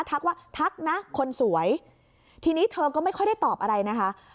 ทักว่าทักนะคนสวยทีนี้เธอก็ไม่ค่อยได้ตอบอะไรนะคะ